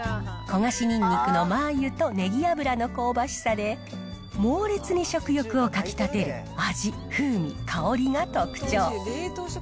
焦がしにんにくのマー油とねぎ油の香ばしさで、猛烈に食欲をかき立てる味、風味、香りが特徴。